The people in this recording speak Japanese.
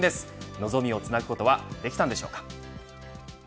望みをつなぐことはできたのでしょうか。